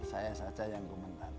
saya saja yang komentar